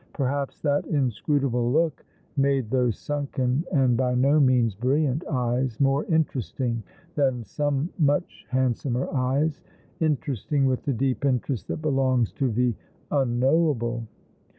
Perhaps that inscrutable look made those sunken and by no means brilliant eyes more interesting than some much hand somer eyes — interesting with the deep interest that belongs to the unknowable.